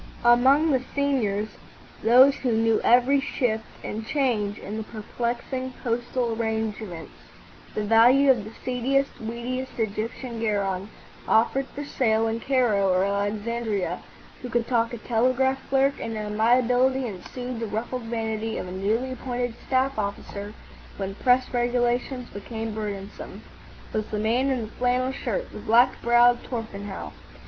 Among the seniors—those who knew every shift and change in the perplexing postal arrangements, the value of the seediest, weediest Egyptian garron offered for sale in Cairo or Alexandria, who could talk a telegraph clerk into amiability and soothe the ruffled vanity of a newly appointed staff officer when press regulations became burdensome—was the man in the flannel shirt, the black browed Torpenhow.